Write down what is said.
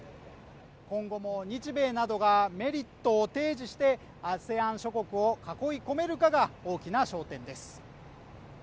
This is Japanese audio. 今後も日米などがメリットを提示してＡＳＥＡＮ諸国を囲い込めるかが大きな焦点です